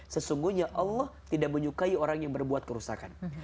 sesungguhnya allah tidak menyukai orang yang berbuat kerusakan